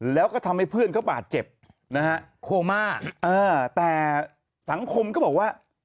แล้วก็ทำให้เพื่อนเขาบาดเจ็บนะฮะโคม่าเออแต่สังคมก็บอกว่า